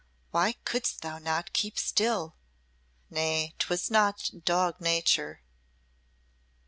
Why couldst thou not keep still? Nay, 'twas not dog nature."